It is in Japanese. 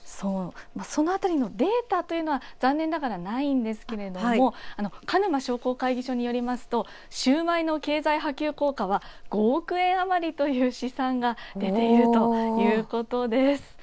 そのあたりのデータというのは残念ながらないんですけれども鹿沼商工会議所によりますとシューマイの経済波及効果は５億円余りという試算が出ているということです。